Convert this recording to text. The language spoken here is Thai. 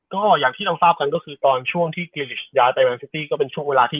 ใช่ใช่ใช่